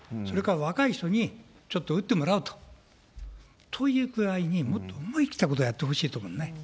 それから若い人にちょっと打ってもらうというくらいに、もっと思い切ったことをやってほしいと思うね。